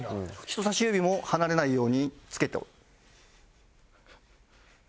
人さし指も離れないようにつけて。